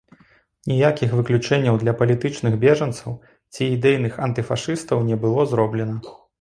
Ніякіх выключэнняў для палітычных бежанцаў ці ідэйных антыфашыстаў не было зроблена.